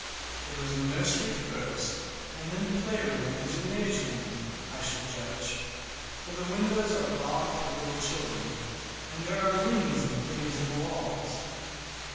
It was nursery first and then playground and gymnasium, I should judge; for the windows are barred for little children, and there are rings and things in the walls.